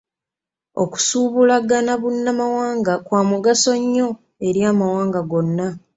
Okusuubulagana bunnamawanga kwa mugaso nnyo eri amawanga gonna.